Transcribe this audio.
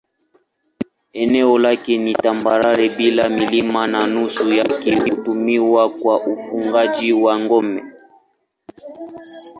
Eneo lake ni tambarare bila milima na nusu yake hutumiwa kwa ufugaji wa ng'ombe.